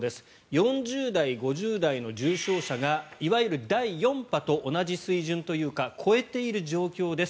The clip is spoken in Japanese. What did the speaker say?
４０代、５０代の重症者がいわゆる第４波と同じ水準というか超えている状況です。